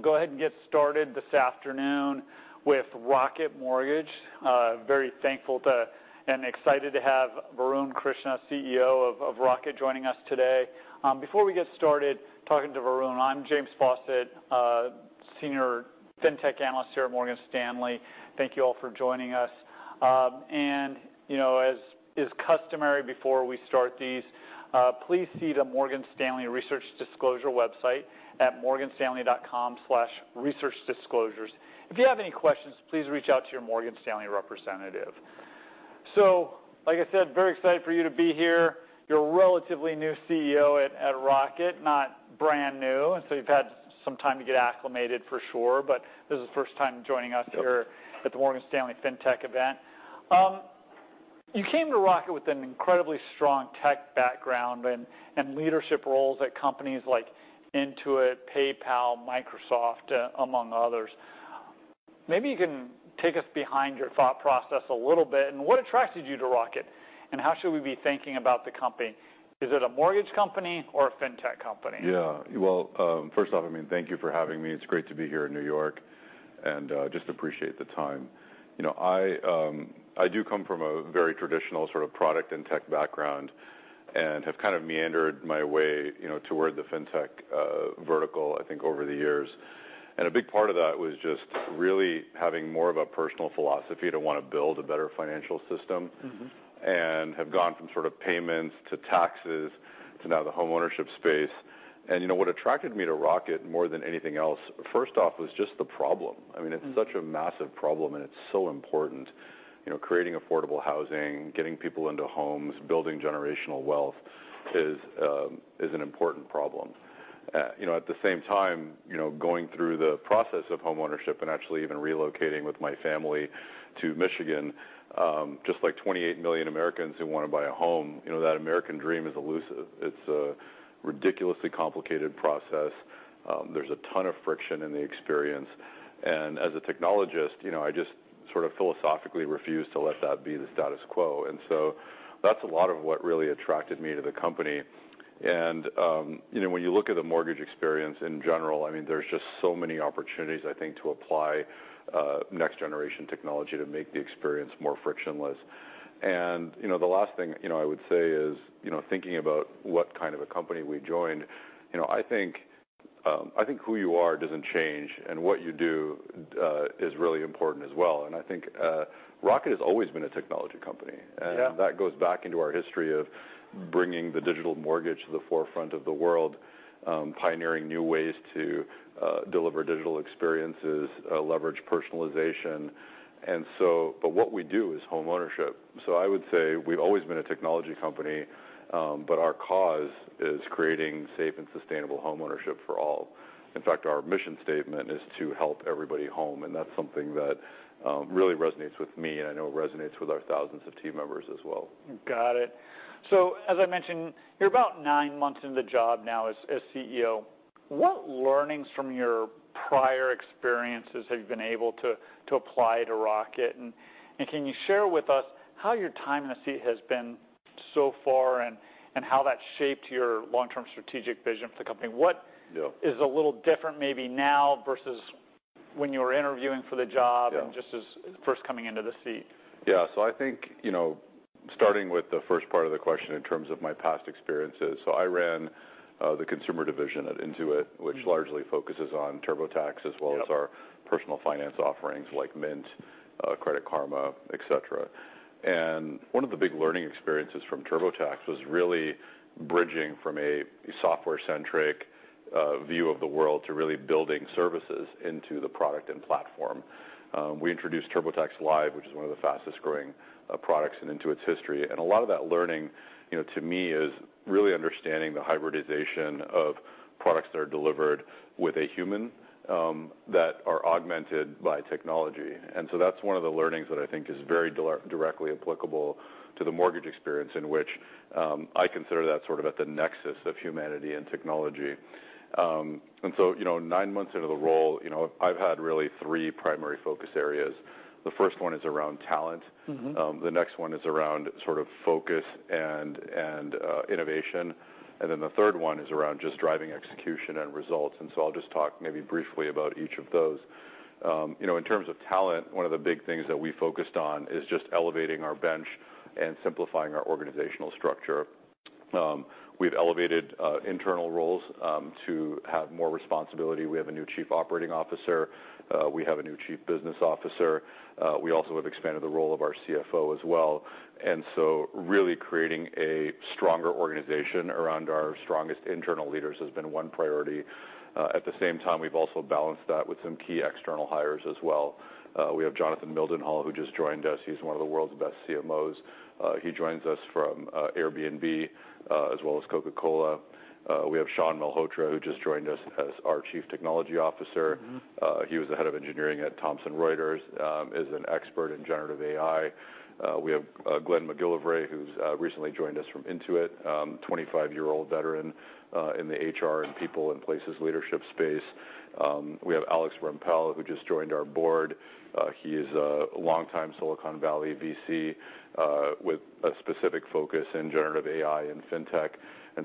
All right, we'll go ahead and get started this afternoon with Rocket Mortgage. Very thankful to, and excited to have Varun Krishna, CEO of Rocket, joining us today. Before we get started talking to Varun, I'm James Faucette, Senior Fintech Analyst here at Morgan Stanley. Thank you all for joining us. And, you know, as is customary, before we start these, please see the Morgan Stanley Research Disclosure website at morganstanley.com/researchdisclosures. If you have any questions, please reach out to your Morgan Stanley representative. So, like I said, very excited for you to be here. You're a relatively new CEO at Rocket, not brand new, and so you've had some time to get acclimated for sure, but this is the first time joining us here. Yep. -at the Morgan Stanley Fintech event. You came to Rocket with an incredibly strong tech background and, and leadership roles at companies like Intuit, PayPal, Microsoft, among others. Maybe you can take us behind your thought process a little bit, and what attracted you to Rocket, and how should we be thinking about the company? Is it a mortgage company or a fintech company? Yeah. Well, first off, I mean, thank you for having me. It's great to be here in New York, and just appreciate the time. You know, I do come from a very traditional sort of product and tech background, and have kind of meandered my way, you know, toward the fintech vertical, I think, over the years. And a big part of that was just really having more of a personal philosophy to want to build a better financial system. Mm-hmm. Have gone from sort of payments, to taxes, to now the homeownership space. You know, what attracted me to Rocket more than anything else, first off, was just the problem. Mm. I mean, it's such a massive problem, and it's so important. You know, creating affordable housing, getting people into homes, building generational wealth is, is an important problem. You know, at the same time, you know, going through the process of homeownership and actually even relocating with my family to Michigan, just like 28 million Americans who want to buy a home, you know, that American dream is elusive. It's a ridiculously complicated process. There's a ton of friction in the experience, and as a technologist, you know, I just sort of philosophically refuse to let that be the status quo. And so that's a lot of what really attracted me to the company. You know, when you look at the mortgage experience in general, I mean, there's just so many opportunities, I think, to apply next-generation technology to make the experience more frictionless. You know, the last thing, you know, I would say is, you know, thinking about what kind of a company we joined, you know, I think, I think who you are doesn't change, and what you do is really important as well. I think Rocket has always been a technology company. Yeah. That goes back into our history of bringing the digital mortgage to the forefront of the world, pioneering new ways to deliver digital experiences, leverage personalization, and so... But what we do is homeownership. So I would say we've always been a technology company, but our cause is creating safe and sustainable homeownership for all. In fact, our mission statement is to help everybody home, and that's something that really resonates with me, and I know it resonates with our thousands of team members as well. Got it. So, as I mentioned, you're about nine months into the job now as CEO. What learnings from your prior experiences have you been able to apply to Rocket? And can you share with us how your time in the seat has been so far, and how that's shaped your long-term strategic vision for the company? Yeah. What is a little different maybe now versus when you were interviewing for the job? Yeah... and just as first coming into the seat? Yeah. So I think, you know, starting with the first part of the question, in terms of my past experiences, so I ran the consumer division at Intuit- Mm... which largely focuses on TurboTax, as well as- Yep... our personal finance offerings like Mint, Credit Karma, et cetera. And one of the big learning experiences from TurboTax was really bridging from a software-centric view of the world to really building services into the product and platform. We introduced TurboTax Live, which is one of the fastest-growing products in Intuit's history. And a lot of that learning, you know, to me, is really understanding the hybridization of products that are delivered with a human that are augmented by technology. And so that's one of the learnings that I think is very directly applicable to the mortgage experience, in which I consider that sort of at the nexus of humanity and technology. And so, you know, nine months into the role, you know, I've had really three primary focus areas. The first one is around talent. Mm-hmm. The next one is around sort of focus and innovation, and then the third one is around just driving execution and results. And so I'll just talk maybe briefly about each of those. You know, in terms of talent, one of the big things that we focused on is just elevating our bench and simplifying our organizational structure. We've elevated internal roles to have more responsibility. We have a new Chief Operating Officer. We have a new Chief Business Officer. We also have expanded the role of our CFO as well. And so really creating a stronger organization around our strongest internal leaders has been one priority. At the same time, we've also balanced that with some key external hires as well. We have Jonathan Mildenhall, who just joined us. He's one of the world's best CMOs. He joins us from Airbnb, as well as Coca-Cola. We have Shawn Malhotra, who just joined us as our Chief Technology Officer. Mm-hmm. He was the head of engineering at Thomson Reuters, is an expert in generative AI. We have Glenn McGillivray, who's recently joined us from Intuit, 25-year-old veteran, in the HR and people and places leadership space. We have Alex Rampell, who just joined our board. He is a longtime Silicon Valley VC, with a specific focus in generative AI and fintech.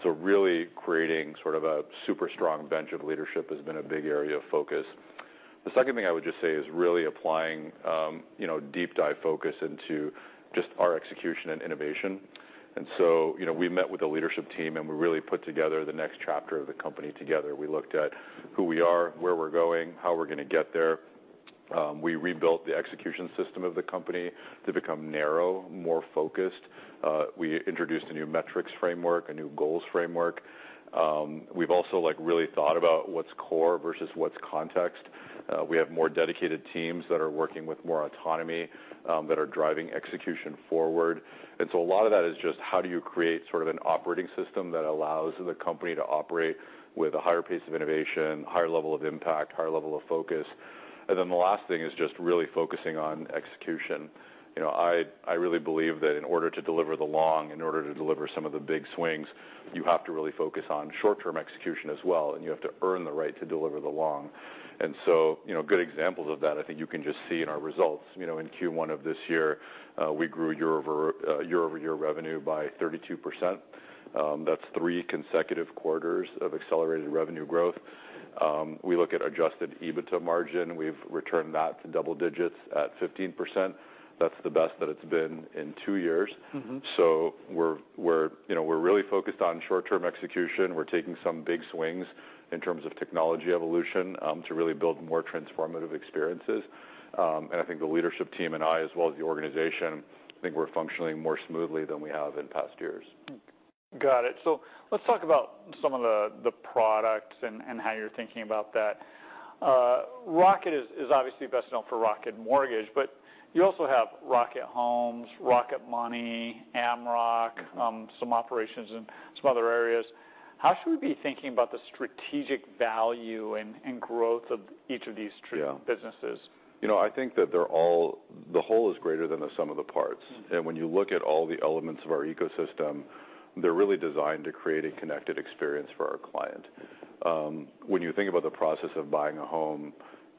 Really creating sort of a super strong bench of leadership has been a big area of focus. The second thing I would just say is really applying, you know, deep dive focus into just our execution and innovation. So, you know, we met with the leadership team, and we really put together the next chapter of the company together. We looked at who we are, where we're going, how we're gonna get there. We rebuilt the execution system of the company to become narrow, more focused. We introduced a new metrics framework, a new goals framework. We've also, like, really thought about what's core versus what's context. We have more dedicated teams that are working with more autonomy, that are driving execution forward. And so a lot of that is just how do you create sort of an operating system that allows the company to operate with a higher pace of innovation, higher level of impact, higher level of focus? And then the last thing is just really focusing on execution. You know, I, I really believe that in order to deliver the long, in order to deliver some of the big swings, you have to really focus on short-term execution as well, and you have to earn the right to deliver the long. So, you know, good examples of that, I think you can just see in our results. You know, in Q1 of this year, we grew year-over-year revenue by 32%. That's three consecutive quarters of accelerated revenue growth. We look at adjusted EBITDA margin. We've returned that to double digits at 15%. That's the best that it's been in two years. Mm-hmm. So, you know, we're really focused on short-term execution. We're taking some big swings in terms of technology evolution to really build more transformative experiences. I think the leadership team and I, as well as the organization, I think we're functioning more smoothly than we have in past years. Got it. So let's talk about some of the products and how you're thinking about that. Rocket is obviously best known for Rocket Mortgage, but you also have Rocket Homes, Rocket Money, Amrock, some operations in some other areas. How should we be thinking about the strategic value and growth of each of these three- Yeah - businesses? You know, I think that they're all—the whole is greater than the sum of the parts. Mm-hmm. And when you look at all the elements of our ecosystem, they're really designed to create a connected experience for our client. When you think about the process of buying a home,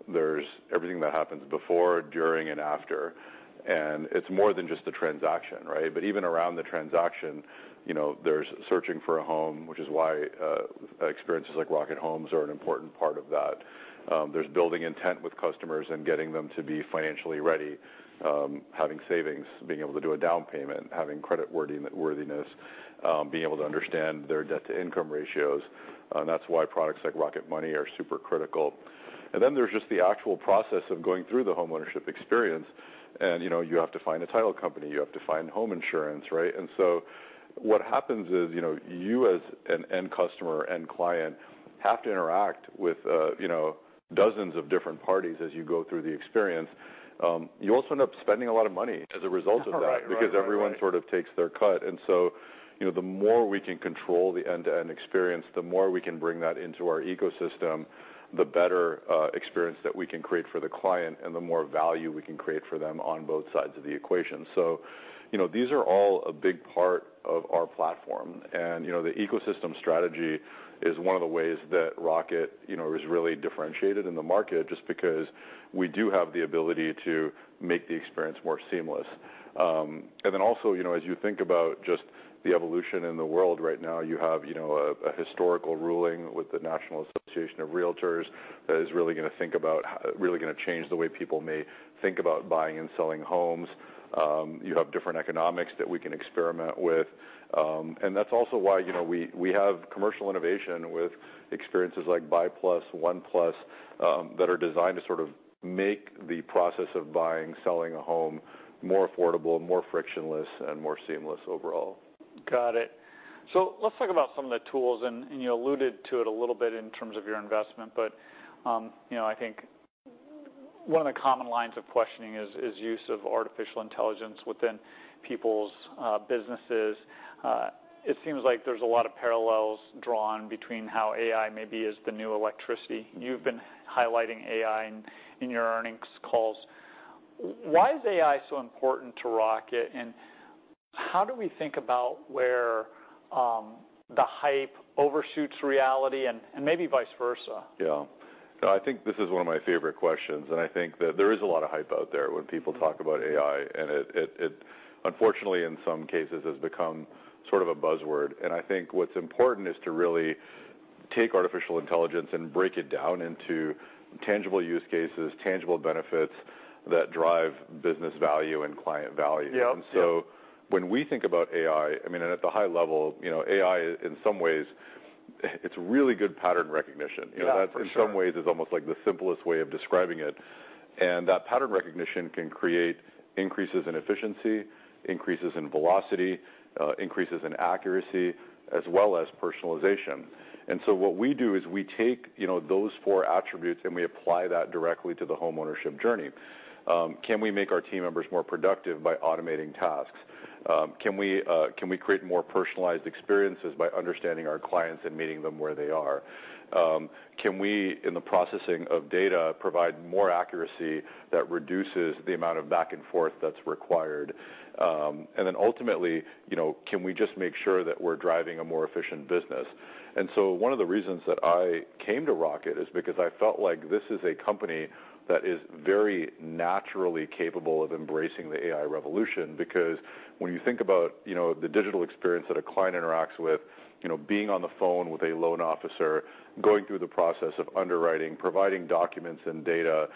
there's everything that happens before, during, and after, and it's more than just the transaction, right? But even around the transaction, you know, there's searching for a home, which is why experiences like Rocket Homes are an important part of that. There's building intent with customers and getting them to be financially ready, having savings, being able to do a down payment, having creditworthiness, being able to understand their debt-to-income ratios. And that's why products like Rocket Money are super critical. And then there's just the actual process of going through the homeownership experience, and, you know, you have to find a title company, you have to find home insurance, right? And so what happens is, you know, you as an end customer, end client, have to interact with, you know, dozens of different parties as you go through the experience. You also end up spending a lot of money as a result of that- Right. Right, right, right.... because everyone sort of takes their cut. And so, you know, the more we can control the end-to-end experience, the more we can bring that into our ecosystem, the better experience that we can create for the client and the more value we can create for them on both sides of the equation. So, you know, these are all a big part of our platform, and, you know, the ecosystem strategy is one of the ways that Rocket, you know, is really differentiated in the market, just because we do have the ability to make the experience more seamless. And then also, you know, as you think about just the evolution in the world right now, you have, you know, a historical ruling with the National Association of Realtors that is really gonna change the way people may think about buying and selling homes. You have different economics that we can experiment with. And that's also why, you know, we have commercial innovation with experiences like BUY+, ONE+, that are designed to sort of make the process of buying, selling a home more affordable, more frictionless, and more seamless overall. Got it. So let's talk about some of the tools, and you alluded to it a little bit in terms of your investment, but, you know, I think one of the common lines of questioning is use of artificial intelligence within people's businesses. It seems like there's a lot of parallels drawn between how AI maybe is the new electricity. You've been highlighting AI in your earnings calls. Why is AI so important to Rocket, and how do we think about where the hype overshoots reality and maybe vice versa? Yeah. I think this is one of my favorite questions, and I think that there is a lot of hype out there when people talk about AI, and it unfortunately, in some cases, has become sort of a buzzword. I think what's important is to really take artificial intelligence and break it down into tangible use cases, tangible benefits that drive business value and client value. Yeah. Yeah. So when we think about AI, I mean, and at the high level, you know, AI, in some ways, it's really good pattern recognition. Yeah, for sure. That, in some ways, is almost like the simplest way of describing it. And that pattern recognition can create increases in efficiency, increases in velocity, increases in accuracy, as well as personalization. And so what we do is we take, you know, those four attributes, and we apply that directly to the homeownership journey. Can we make our team members more productive by automating tasks? Can we create more personalized experiences by understanding our clients and meeting them where they are? Can we, in the processing of data, provide more accuracy that reduces the amount of back and forth that's required? And then ultimately, you know, can we just make sure that we're driving a more efficient business? And so one of the reasons that I came to Rocket is because I felt like this is a company that is very naturally capable of embracing the AI revolution. Because when you think about, you know, the digital experience that a client interacts with, you know, being on the phone with a loan officer, going through the process of underwriting, providing documents and data,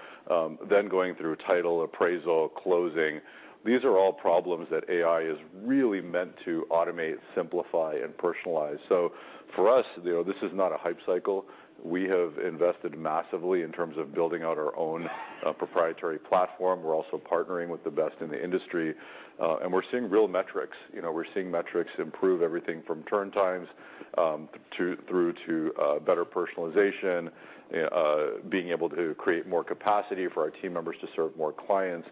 then going through title appraisal, closing, these are all problems that AI is really meant to automate, simplify, and personalize. So for us, you know, this is not a hype cycle. We have invested massively in terms of building out our own, proprietary platform. We're also partnering with the best in the industry, and we're seeing real metrics. You know, we're seeing metrics improve everything from turn times through to better personalization, being able to create more capacity for our team members to serve more clients,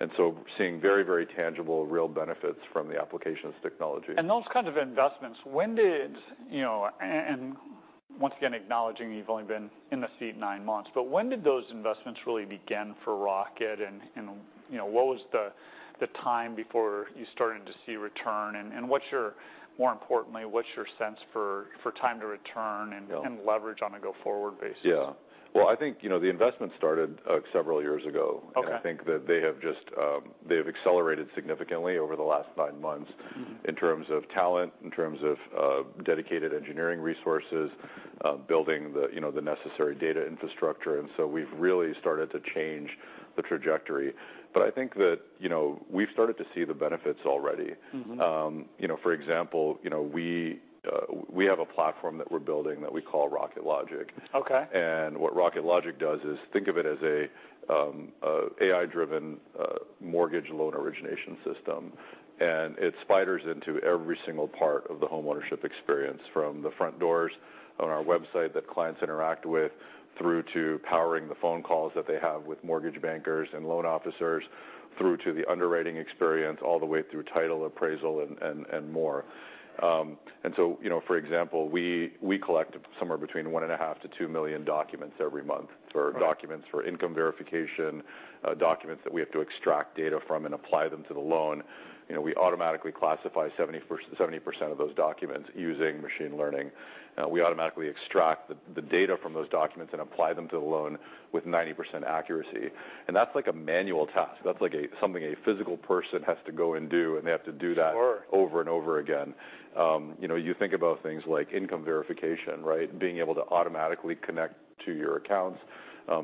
and so we're seeing very, very tangible, real benefits from the applications technology. And those kind of investments, when did, you know—and, and once again, acknowledging you've only been in the seat nine months, but when did those investments really begin for Rocket? And, and, you know, what was the, the time before you started to see return, and, and what's your... More importantly, what's your sense for, for time to return- Yeah and leverage on a go-forward basis? Yeah. Well, I think, you know, the investment started, several years ago. Okay. I think that they have just, they've accelerated significantly over the last nine months- Mm-hmm in terms of talent, in terms of dedicated engineering resources, building the, you know, the necessary data infrastructure, and so we've really started to change the trajectory. But I think that, you know, we've started to see the benefits already. Mm-hmm. You know, for example, you know, we have a platform that we're building that we call Rocket Logic. Okay. What Rocket Logic does is think of it as a AI-driven mortgage loan origination system. It spiders into every single part of the homeownership experience, from the front doors on our website that clients interact with, through to powering the phone calls that they have with mortgage bankers and loan officers, through to the underwriting experience, all the way through title, appraisal, and more. And so, you know, for example, we collect somewhere between 1.5 million-2 million documents every month- Right For documents, for income verification, documents that we have to extract data from and apply them to the loan. You know, we automatically classify 70% of those documents using machine learning. We automatically extract the data from those documents and apply them to the loan with 90% accuracy. And that's like a manual task. That's like something a physical person has to go and do, and they have to do that- Sure over and over again. You know, you think about things like income verification, right? Being able to automatically connect to your accounts,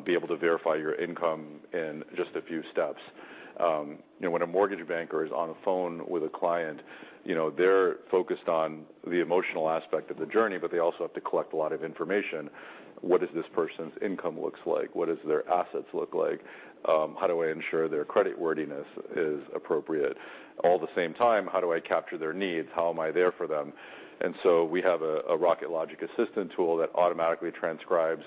be able to verify your income in just a few steps. You know, when a mortgage banker is on the phone with a client, you know, they're focused on the emotional aspect of the journey, but they also have to collect a lot of information. What does this person's income looks like? What does their assets look like? How do I ensure their creditworthiness is appropriate? At the same time, how do I capture their needs? How am I there for them? And so we have a Rocket Logic assistant tool that automatically transcribes,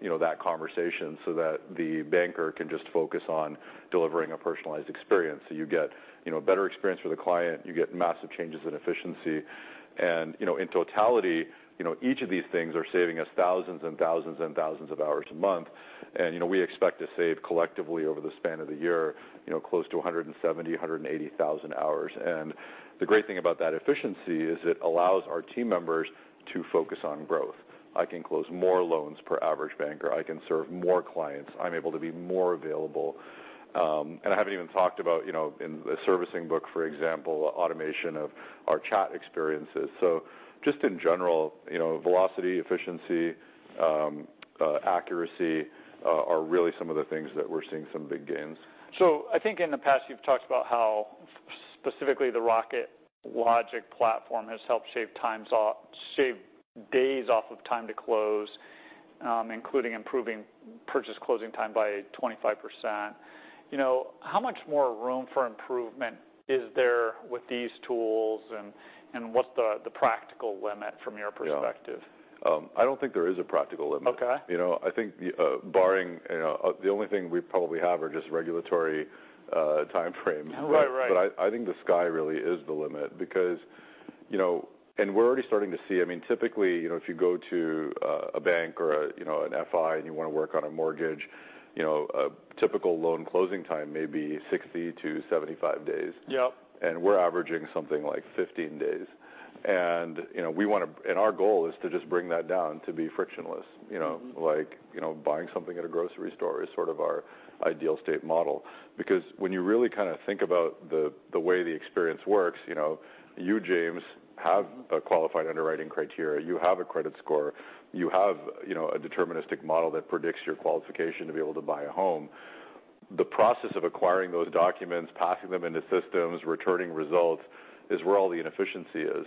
you know, that conversation so that the banker can just focus on delivering a personalized experience. So you get, you know, a better experience for the client. You get massive changes in efficiency. You know, in totality, you know, each of these things are saving us thousands and thousands and thousands of hours a month. You know, we expect to save collectively over the span of the year, you know, close to 170,000-180,000 hours. The great thing about that efficiency is it allows our team members to focus on growth. I can close more loans per average banker. I can serve more clients. I'm able to be more available. I haven't even talked about, you know, in the servicing book, for example, automation of our chat experiences. So just in general, you know, velocity, efficiency, accuracy, are really some of the things that we're seeing some big gains. So I think in the past, you've talked about how specifically the Rocket Logic platform has helped shave days off of time to close, including improving purchase closing time by 25%. You know, how much more room for improvement is there with these tools, and what's the practical limit from your perspective? Yeah. I don't think there is a practical limit. Okay. You know, I think, barring... The only thing we probably have are just regulatory timeframes. Right. Right. But I think the sky really is the limit because, you know, and we're already starting to see, I mean, typically, you know, if you go to a bank or a, you know, an FI, and you want to work on a mortgage, you know, a typical loan closing time may be 60-75 days. Yep. We're averaging something like 15 days. You know, our goal is to just bring that down to be frictionless, you know? Mm-hmm. Like, you know, buying something at a grocery store is sort of our ideal state model. Because when you really kind of think about the way the experience works, you know, you, James, have a qualified underwriting criteria, you have a credit score, you know, a deterministic model that predicts your qualification to be able to buy a home. The process of acquiring those documents, parsing them into systems, returning results, is where all the inefficiency is.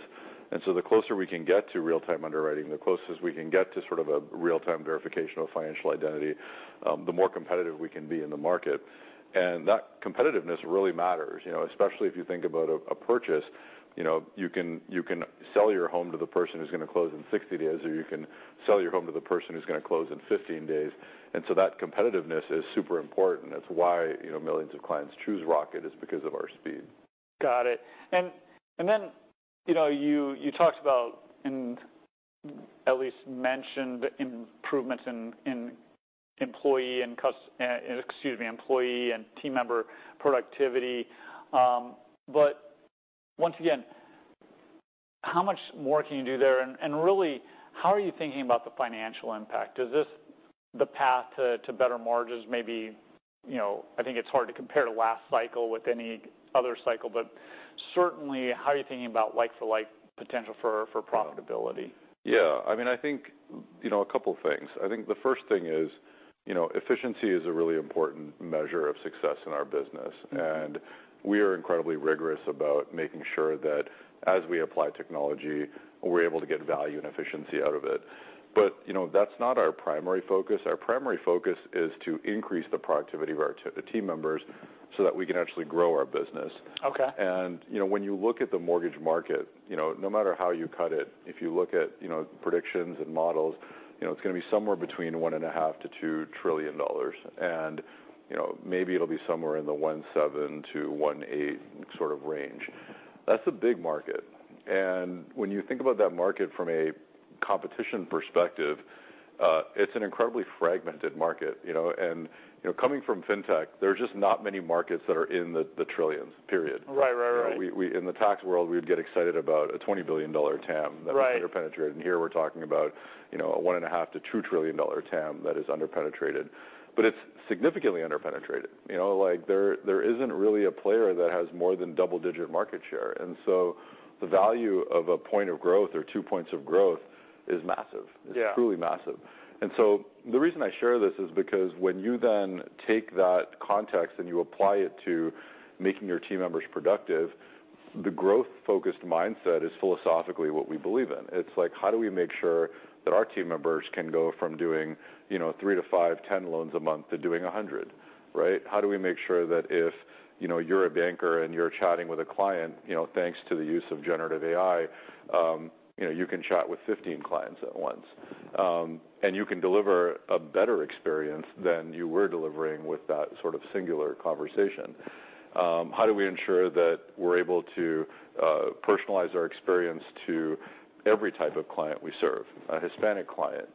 And so the closer we can get to real-time underwriting, the closest we can get to sort of a real-time verification of financial identity, the more competitive we can be in the market. And that competitiveness really matters, you know, especially if you think about a purchase.... You know, you can, you can sell your home to the person who's gonna close in 60 days, or you can sell your home to the person who's gonna close in 15 days. And so that competitiveness is super important. That's why, you know, millions of clients choose Rocket, is because of our speed. Got it. And then, you know, you talked about and at least mentioned improvements in employee and, excuse me, employee and team member productivity. But once again, how much more can you do there? And really, how are you thinking about the financial impact? Is this the path to better mortgages, maybe, you know? I think it's hard to compare the last cycle with any other cycle, but certainly, how are you thinking about like-for-like potential for profitability? Yeah, I mean, I think, you know, a couple things. I think the first thing is, you know, efficiency is a really important measure of success in our business. Mm-hmm. We are incredibly rigorous about making sure that as we apply technology, we're able to get value and efficiency out of it. But, you know, that's not our primary focus. Our primary focus is to increase the productivity of our team members so that we can actually grow our business. Okay. And, you know, when you look at the mortgage market, you know, no matter how you cut it, if you look at, you know, predictions and models, you know, it's gonna be somewhere between $1.5 trillion-$2 trillion. And, you know, maybe it'll be somewhere in the 1.7-1.8 sort of range. That's a big market. And when you think about that market from a competition perspective, it's an incredibly fragmented market, you know. And, you know, coming from fintech, there are just not many markets that are in the, the trillions, period. Right. Right, right, right. We in the tax world, we'd get excited about a $20 billion TAM. Right... that was under-penetrated, and here we're talking about, you know, a $1.5 trillion-$2 trillion TAM that is under-penetrated, but it's significantly under-penetrated. You know, like, there, there isn't really a player that has more than double-digit market share, and so the value of a point of growth or two points of growth is massive. Yeah. It's truly massive. And so the reason I share this is because when you then take that context, and you apply it to making your team members productive, the growth-focused mindset is philosophically what we believe in. It's like, how do we make sure that our team members can go from doing, you know, 3 to 5, 10 loans a month to doing 100, right? How do we make sure that if, you know, you're a banker and you're chatting with a client, you know, thanks to the use of generative AI, you know, you can chat with 15 clients at once, and you can deliver a better experience than you were delivering with that sort of singular conversation. How do we ensure that we're able to personalize our experience to every type of client we serve? A Hispanic client,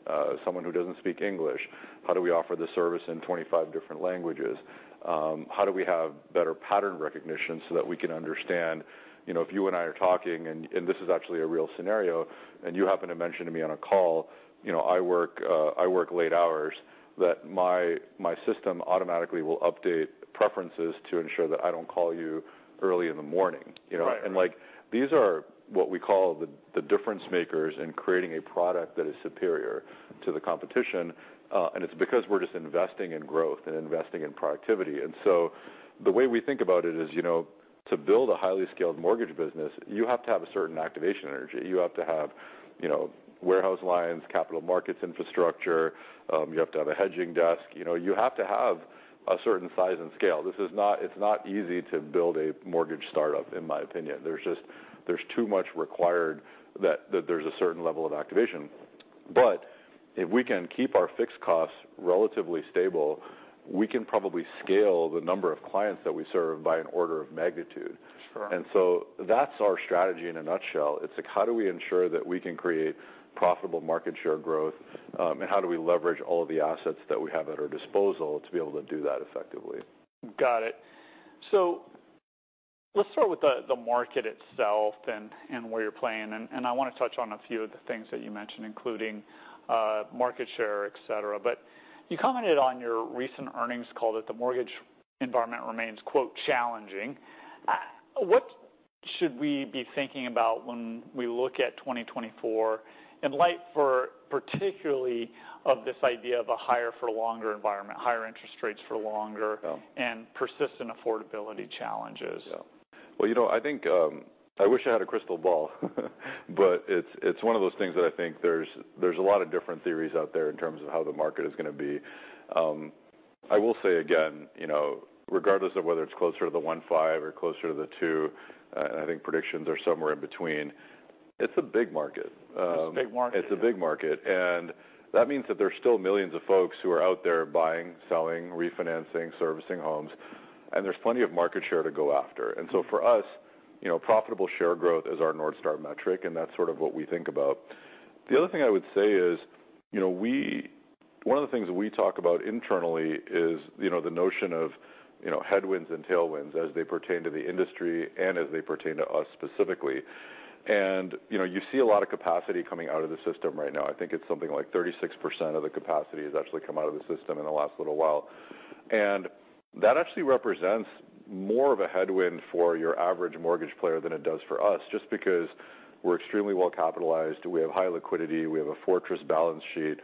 someone who doesn't speak English, how do we offer the service in 25 different languages? How do we have better pattern recognition so that we can understand, you know, if you and I are talking, and this is actually a real scenario, and you happen to mention to me on a call, you know, I work late hours, that my system automatically will update preferences to ensure that I don't call you early in the morning, you know? Right. And like, these are what we call the difference makers in creating a product that is superior to the competition, and it's because we're just investing in growth and investing in productivity. So the way we think about it is, you know, to build a highly scaled mortgage business, you have to have a certain activation energy. You have to have, you know, warehouse lines, capital markets infrastructure, you have to have a hedging desk. You know, you have to have a certain size and scale. This is not - it's not easy to build a mortgage startup, in my opinion. There's just too much required that there's a certain level of activation. But if we can keep our fixed costs relatively stable, we can probably scale the number of clients that we serve by an order of magnitude. Sure. That's our strategy in a nutshell. It's like, how do we ensure that we can create profitable market share growth, and how do we leverage all of the assets that we have at our disposal to be able to do that effectively? Got it. So let's start with the market itself and where you're playing, and I wanna touch on a few of the things that you mentioned, including market share, et cetera. But you commented on your recent earnings call that the mortgage environment remains, quote, "challenging." What should we be thinking about when we look at 2024 in light for, particularly of this idea of a higher-for-longer environment, higher interest rates for longer- Yeah... and persistent affordability challenges? Yeah. Well, you know, I think, I wish I had a crystal ball, but it's, it's one of those things that I think there's, there's a lot of different theories out there in terms of how the market is gonna be. I will say again, you know, regardless of whether it's closer to the 1.5 or closer to the 2, I think predictions are somewhere in between, it's a big market. It's a big market. It's a big market, and that means that there's still millions of folks who are out there buying, selling, refinancing, servicing homes, and there's plenty of market share to go after. And so for us, you know, profitable share growth is our North Star metric, and that's sort of what we think about. The other thing I would say is, you know, one of the things that we talk about internally is, you know, the notion of, you know, headwinds and tailwinds as they pertain to the industry and as they pertain to us specifically. And, you know, you see a lot of capacity coming out of the system right now. I think it's something like 36% of the capacity has actually come out of the system in the last little while. That actually represents more of a headwind for your average mortgage player than it does for us, just because we're extremely well capitalized, we have high liquidity, we have a fortress balance sheet.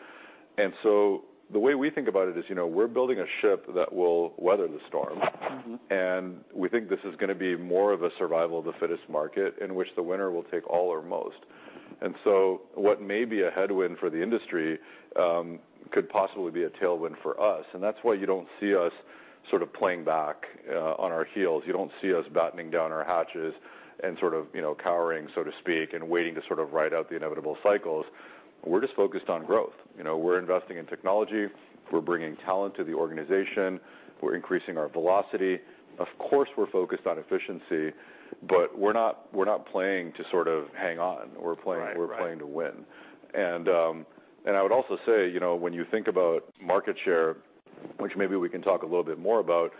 So the way we think about it is, you know, we're building a ship that will weather the storm. Mm-hmm. And we think this is gonna be more of a survival of the fittest market, in which the winner will take all or most... And so what may be a headwind for the industry, could possibly be a tailwind for us, and that's why you don't see us sort of playing back on our heels. You don't see us battening down our hatches and sort of, you know, cowering, so to speak, and waiting to sort of ride out the inevitable cycles. We're just focused on growth. You know, we're investing in technology, we're bringing talent to the organization, we're increasing our velocity. Of course, we're focused on efficiency, but we're not, we're not playing to sort of hang on. Right. Right. We're playing, we're playing to win. And, and I would also say, you know, when you think about market share, which maybe we can talk a little bit more about,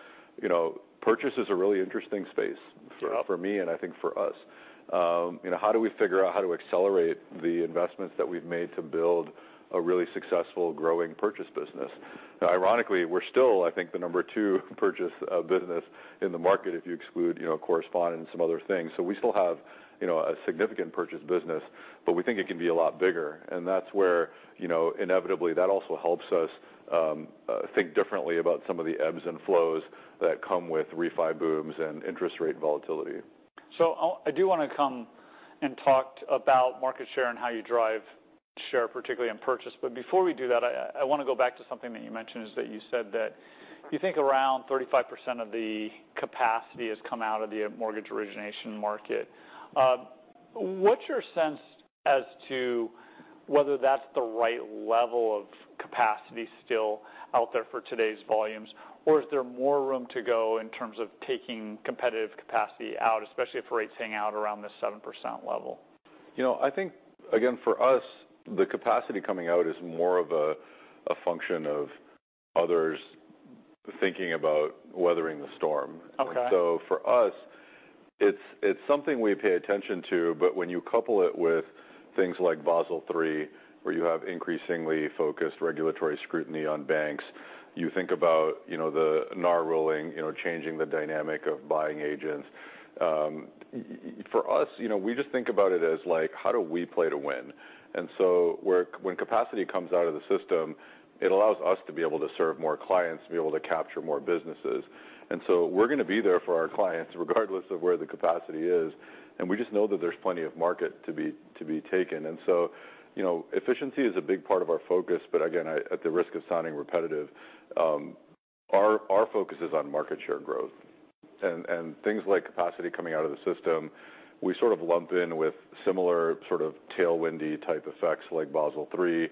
you know, purchase is a really interesting space- Sure... for me, and I think for us. You know, how do we figure out how to accelerate the investments that we've made to build a really successful, growing purchase business? Ironically, we're still, I think, the number 2 purchase business in the market, if you exclude, you know, correspondent and some other things. So we still have, you know, a significant purchase business, but we think it can be a lot bigger, and that's where, you know, inevitably, that also helps us think differently about some of the ebbs and flows that come with refi booms and interest rate volatility. So I do want to come and talk about market share and how you drive share, particularly in purchase. But before we do that, I want to go back to something that you mentioned, is that you said that you think around 35% of the capacity has come out of the mortgage origination market. What's your sense as to whether that's the right level of capacity still out there for today's volumes, or is there more room to go in terms of taking competitive capacity out, especially if rates hang out around the 7% level? You know, I think, again, for us, the capacity coming out is more of a function of others thinking about weathering the storm. Okay. And so for us, it's something we pay attention to, but when you couple it with things like Basel III, where you have increasingly focused regulatory scrutiny on banks, you think about, you know, the NAR ruling, you know, changing the dynamic of buying agents. For us, you know, we just think about it as, like, how do we play to win? And so when capacity comes out of the system, it allows us to be able to serve more clients, to be able to capture more businesses. And so we're going to be there for our clients, regardless of where the capacity is, and we just know that there's plenty of market to be taken. And so, you know, efficiency is a big part of our focus, but again, at the risk of sounding repetitive, our focus is on market share growth. And things like capacity coming out of the system, we sort of lump in with similar sort of tailwindy-type effects, like Basel III,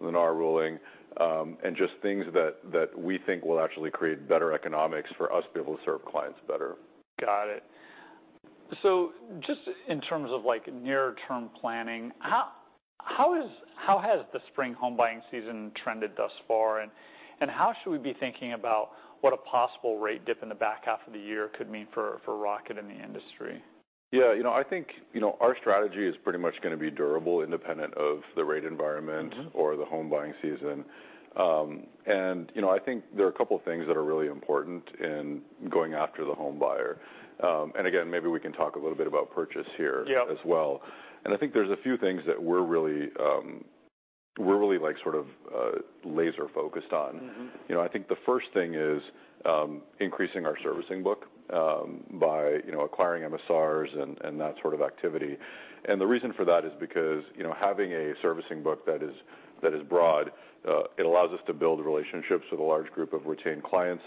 the NAR ruling, and just things that we think will actually create better economics for us to be able to serve clients better. Got it. So just in terms of, like, near-term planning, how has the spring home buying season trended thus far, and how should we be thinking about what a possible rate dip in the back half of the year could mean for Rocket and the industry? Yeah, you know, I think, you know, our strategy is pretty much going to be durable, independent of the rate environment. Mm-hmm... or the home buying season. You know, I think there are a couple of things that are really important in going after the homebuyer. Again, maybe we can talk a little bit about purchase here- Yep... as well. And I think there's a few things that we're really, like, sort of, laser focused on. Mm-hmm. You know, I think the first thing is increasing our servicing book by, you know, acquiring MSRs and that sort of activity. And the reason for that is because, you know, having a servicing book that is broad, it allows us to build relationships with a large group of retained clients.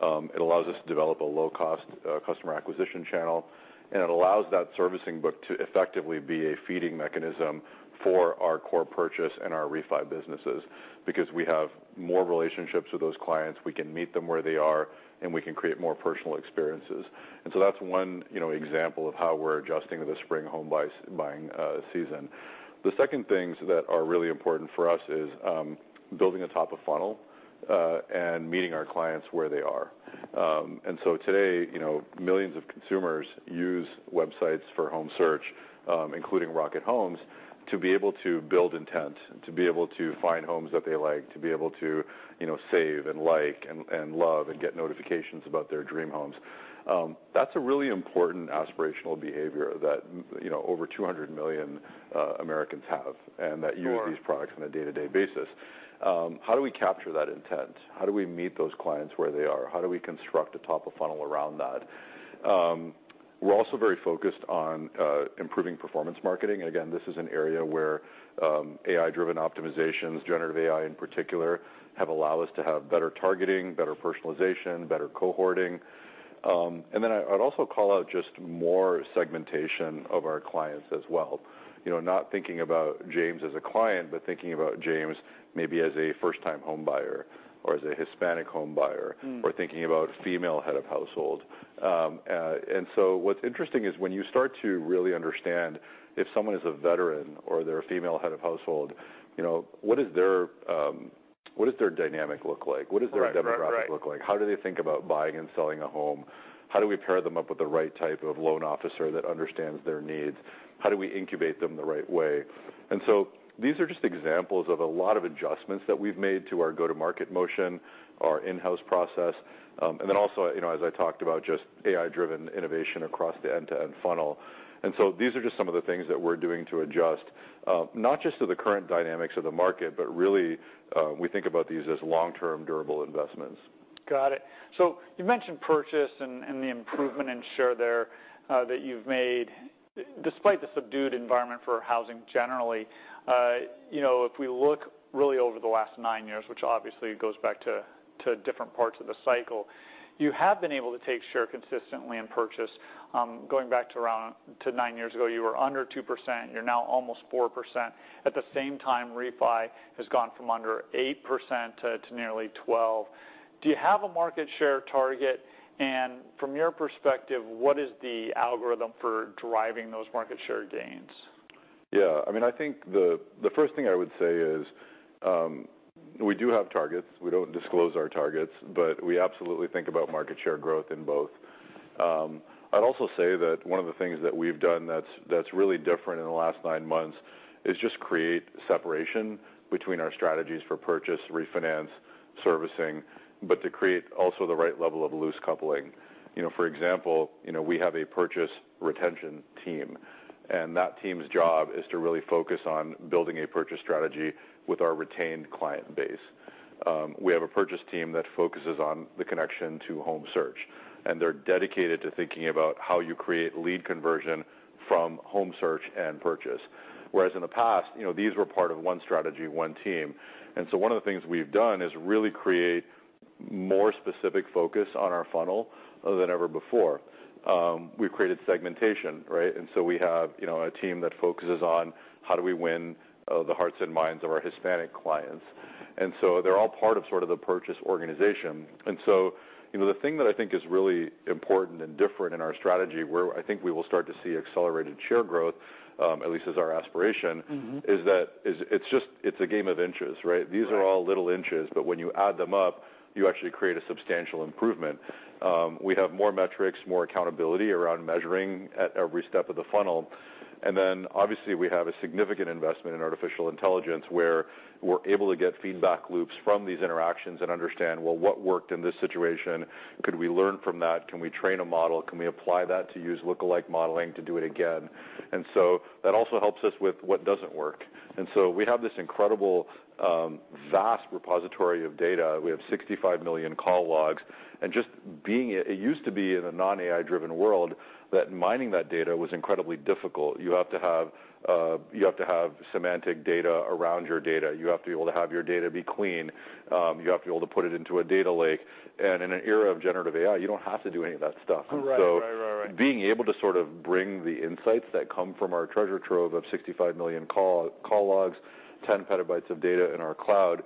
It allows us to develop a low-cost customer acquisition channel, and it allows that servicing book to effectively be a feeding mechanism for our core purchase and our refi businesses. Because we have more relationships with those clients, we can meet them where they are, and we can create more personal experiences. And so that's one, you know, example of how we're adjusting to the spring home buying season. The second things that are really important for us is, building a top-of-funnel, and meeting our clients where they are. And so today, you know, millions of consumers use websites for home search, including Rocket Homes, to be able to build intent, to be able to find homes that they like, to be able to, you know, save and like, and, and love and get notifications about their dream homes. That's a really important aspirational behavior that, you know, over 200 million Americans have, and that- Sure... use these products on a day-to-day basis. How do we capture that intent? How do we meet those clients where they are? How do we construct a top-of-funnel around that? We're also very focused on improving performance marketing. Again, this is an area where AI-driven optimizations, generative AI in particular, have allowed us to have better targeting, better personalization, better cohorting. And then I'd also call out just more segmentation of our clients as well. You know, not thinking about James as a client, but thinking about James maybe as a first-time homebuyer or as a Hispanic homebuyer- Mm... or thinking about female head of household. And so what's interesting is, when you start to really understand if someone is a veteran or they're a female head of household, you know, what does their dynamic look like? Right. Right, right. What does their demographic look like? How do they think about buying and selling a home? How do we pair them up with the right type of loan officer that understands their needs? How do we incubate them the right way? And so these are just examples of a lot of adjustments that we've made to our go-to-market motion, our in-house process, and then also, you know, as I talked about, just AI-driven innovation across the end-to-end funnel. And so these are just some of the things that we're doing to adjust, not just to the current dynamics of the market, but really, we think about these as long-term, durable investments. ... Got it. So you mentioned purchase and the improvement in share there that you've made. Despite the subdued environment for housing generally, you know, if we look really over the last nine years, which obviously goes back to different parts of the cycle, you have been able to take share consistently and purchase. Going back to around nine years ago, you were under 2%, you're now almost 4%. At the same time, refi has gone from under 8% to nearly 12%. Do you have a market share target? And from your perspective, what is the algorithm for driving those market share gains? Yeah, I mean, I think the first thing I would say is, we do have targets. We don't disclose our targets, but we absolutely think about market share growth in both. I'd also say that one of the things that we've done that's really different in the last nine months is just create separation between our strategies for purchase, refinance, servicing, but to create also the right level of loose coupling. You know, for example, you know, we have a purchase retention team, and that team's job is to really focus on building a purchase strategy with our retained client base. We have a purchase team that focuses on the connection to home search, and they're dedicated to thinking about how you create lead conversion from home search and purchase. Whereas in the past, you know, these were part of one strategy, one team. And so one of the things we've done is really create more specific focus on our funnel than ever before. We've created segmentation, right? And so we have, you know, a team that focuses on how do we win the hearts and minds of our Hispanic clients. And so, you know, the thing that I think is really important and different in our strategy, where I think we will start to see accelerated share growth, at least as our aspiration- Mm-hmm. Is that it's, it's just, it's a game of inches, right? Right. These are all little inches, but when you add them up, you actually create a substantial improvement. We have more metrics, more accountability around measuring at every step of the funnel. And then, obviously, we have a significant investment in artificial intelligence, where we're able to get feedback loops from these interactions and understand, well, what worked in this situation? Could we learn from that? Can we train a model? Can we apply that to use look-alike modeling to do it again? And so that also helps us with what doesn't work. And so we have this incredible, vast repository of data. We have 65 million call logs, and it used to be in a non-AI driven world, that mining that data was incredibly difficult. You have to have, you have to have semantic data around your data. You have to be able to have your data be clean. You have to be able to put it into a data lake. And in an era of generative AI, you don't have to do any of that stuff. Right. Right, right, right. So being able to sort of bring the insights that come from our treasure trove of 65 million call logs, 10 PB of data in our cloud,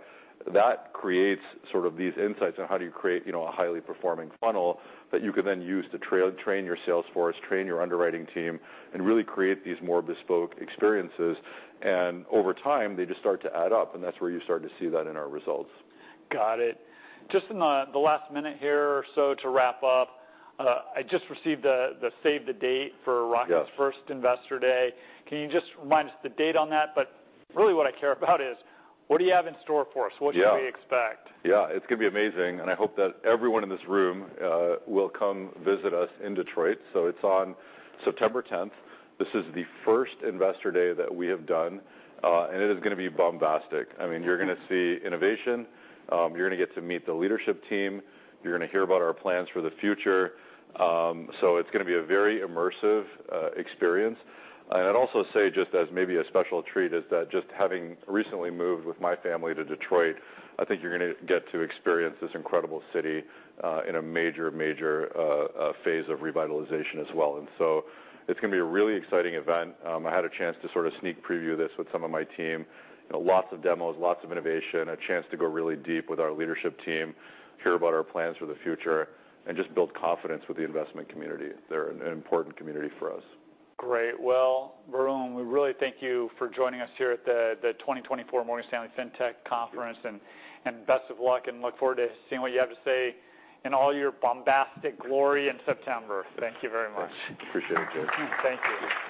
that creates sort of these insights on how do you create, you know, a highly performing funnel that you can then use to train your sales force, train your underwriting team, and really create these more bespoke experiences. And over time, they just start to add up, and that's where you start to see that in our results. Got it. Just in the last minute here or so to wrap up, I just received the save-the-date for Rocket's- Yes... first Investor Day. Can you just remind us the date on that? But really what I care about is, what do you have in store for us? Yeah. What should we expect? Yeah, it's gonna be amazing, and I hope that everyone in this room will come visit us in Detroit. So it's on September tenth. This is the first Investor Day that we have done, and it is gonna be bombastic. Mm-hmm. I mean, you're gonna see innovation. You're gonna get to meet the leadership team. You're gonna hear about our plans for the future. So it's gonna be a very immersive experience. And I'd also say, just as maybe a special treat, is that just having recently moved with my family to Detroit, I think you're gonna get to experience this incredible city in a major, major phase of revitalization as well. And so it's gonna be a really exciting event. I had a chance to sort of sneak preview this with some of my team. You know, lots of demos, lots of innovation, a chance to go really deep with our leadership team, hear about our plans for the future, and just build confidence with the investment community. They're an important community for us. Great. Well, Varun, we really thank you for joining us here at the 2024 Morgan Stanley Fintech Conference. Thank you. Best of luck, and look forward to seeing what you have to say in all your bombastic glory in September. Thank you very much. Appreciate it, Jay. Thank you.